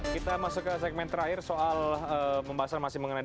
kita masuk ke segmen terakhir soal pembahasan masing masing